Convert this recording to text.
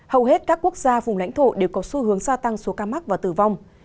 hầu hết các quốc gia vùng lãnh thổ đều có xu hướng gia tăng số ca mắc và tử vong